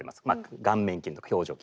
顔面筋とか表情筋とか。